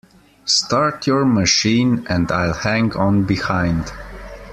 Start your machine and I'll hang on behind.